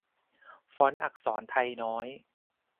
ฟอนต์อักษรไทน้อย